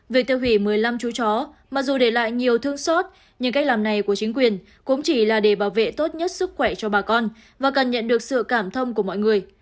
việc tiêu hủy một mươi năm chú chó mặc dù để lại nhiều thương xót nhưng cách làm này của chính quyền cũng chỉ là để bảo vệ tốt nhất sức khỏe cho bà con và cần nhận được sự cảm thông của mọi người